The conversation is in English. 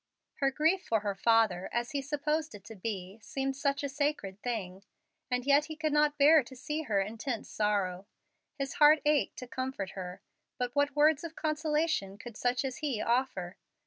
Her grief for her father, as he supposed it to be, seemed such a sacred thing! And yet he could not bear to see her intense sorrow. His heart ached to comfort her, but what words of consolation could such as he offer?